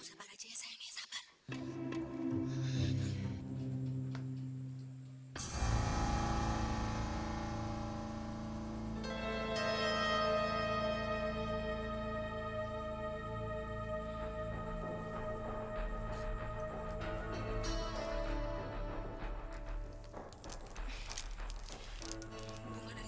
sudah banyak cara